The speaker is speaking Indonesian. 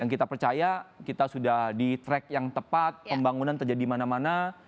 kita percaya kita sudah di track yang tepat pembangunan terjadi mana mana